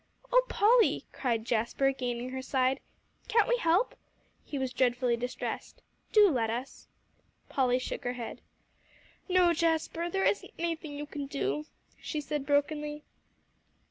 "Oh Polly," cried Jasper, gaining her side, "can't we help?" He was dreadfully distressed. "Do let us." Polly shook her head. "No, Jasper, there isn't anything you can do," she said brokenly.